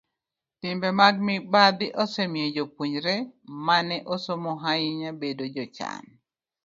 Timbe mag mibadhi osemiyo jopuonjre ma ne osomo ahinya bedo jochan.